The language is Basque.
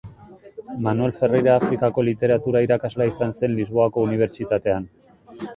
Manuel Ferreira Afrikako literatura-irakaslea izan zen Lisboako unibertsitatean.